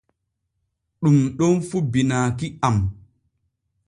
Ɗun ɗon fu binaaki am.